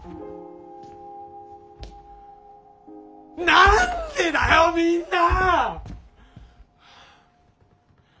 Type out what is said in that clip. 何でだよみんな！